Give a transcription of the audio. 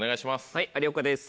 はい有岡です。